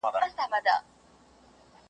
هم به کور وو په ساتلی هم روزلی .